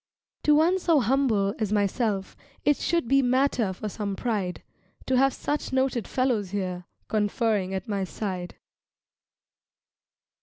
To one so humble as myself It should be matter for some pride To have such noted fellows here, Conferring at my side.